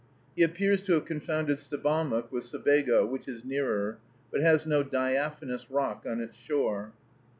He appears to have confounded Sebamook with Sebago, which is nearer, but has no "diaphanous" rock on its shore.